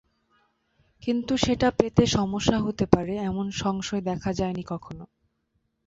কিন্তু সেটা পেতে সমস্যা হতে পারে এমন সংশয় দেখা যায়নি কখনো।